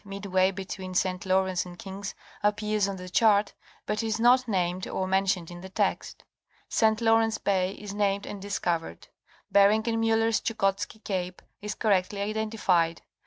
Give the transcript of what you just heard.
midway between St. Lawrence and King's appears on the chart, but is not named or men tioned in the text. St. Lawrence Bay is named and discovered. Ber _ ing and Miiller's Chukotski cape is correctly identified.